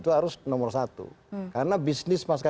karena filsafat pengelola penerbangan tidak boleh mengakui